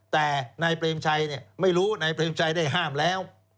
แต่นายเปรมชัยไม่รู้นายเปรมชัยได้ห้ามแล้ว